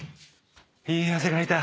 いい汗かいた。